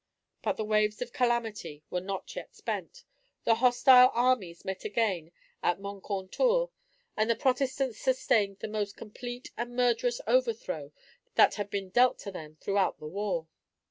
But the waves of calamity were not yet spent. The hostile armies met again at Moncontour, and the Protestants sustained the most complete and murderous overthrow that had been dealt to them throughout the war.